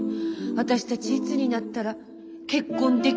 私たちいつになったら結婚できるのかしら。